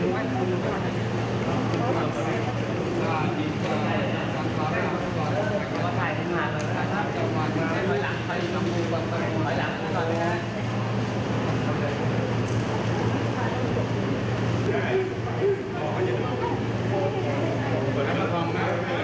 มันเป็นไหนมันเป็นไหน